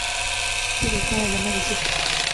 累积创业人脉与技术